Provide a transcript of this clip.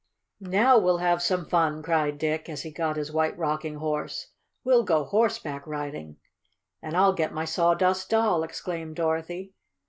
"Now we'll have some fun!" cried Dick, as he got his White Rocking Horse. "We'll go horseback riding." "And I'll get my Sawdust Doll!" exclaimed Dorothy.